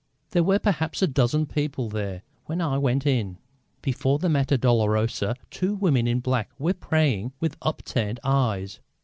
There were perhaps a dozen people there when I went in. Before the Mater Dolorosa two women in black were praying with upturned eyes.